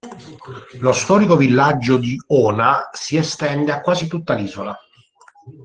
Lo storico villaggio di Ona si estende a quasi tutta l'isola.